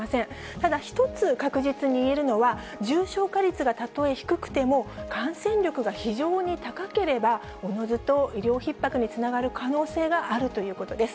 ただ、一つ確実に言えるのは、重症化率がたとえ低くても、感染力が非常に高ければ、おのずと医療ひっ迫につながる可能性はあるということです。